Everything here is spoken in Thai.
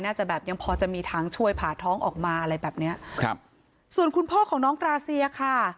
จะแบบยังพอจะมีทางช่วยผ่าท้องออกมาอะไรแบบเนี้ยครับส่วนคุณพ่อของน้องกราเซียค่ะ